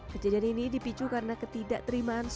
kejadian ini dipicu karena ketidakterimaan sosial